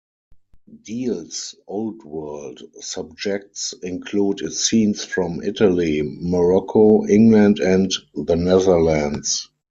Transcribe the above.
Diehl's Old World subjects include scenes from Italy, Morocco, England, and the Netherlands.